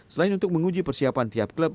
selain untuk menguji persiapan tiap klub